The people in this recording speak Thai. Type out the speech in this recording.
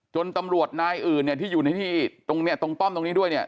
ตำรวจนายอื่นเนี่ยที่อยู่ในที่ตรงเนี่ยตรงป้อมตรงนี้ด้วยเนี่ย